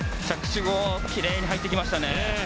着地後、きれいに入ってきましたね。